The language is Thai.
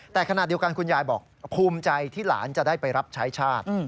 แต่ขณะเดียวกันคุณยายบอกภูมิใจที่หลานจะได้ไปรับใช้ชาติ